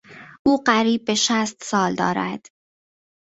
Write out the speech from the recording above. او قریب به شصت سال دارد.